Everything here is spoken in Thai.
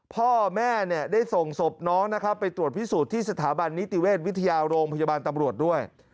พ่อแม่เนี่ยได้ส่งศพน้องนะครับไปตรวจพิสูจน์ที่สถาบันนิติเวชวิทยาโรงพยาบาลตำรวจด้วย